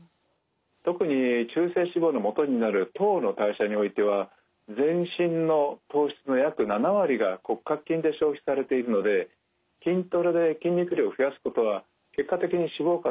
特に中性脂肪のもとになる糖の代謝においては全身の糖質の約７割が骨格筋で消費されているので筋トレで筋肉量を増やすことは結果的に脂肪肝の改善に役立つんですね。